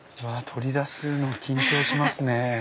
取り出すの緊張しますね。